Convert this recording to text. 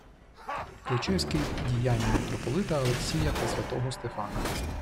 Ключевський діяння митрополита Алексія та святого Стефана: